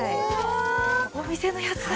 お店のやつだ。